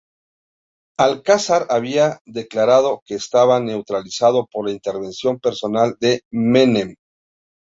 Al Kassar había declarado que estaba naturalizado por la intervención personal de Menem.